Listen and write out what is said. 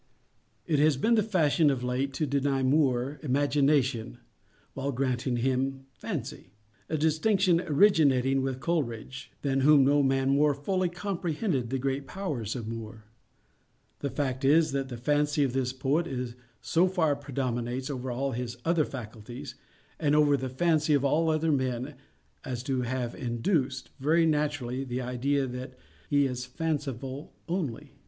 It has been the fashion of late days to deny Moore Imagination, while granting him Fancy—a distinction originating with Coleridge—than whom no man more fully comprehended the great powers of Moore. The fact is, that the fancy of this poet so far predominates over all his other faculties, and over the fancy of all other men, as to have induced, very naturally, the idea that he is fanciful _only.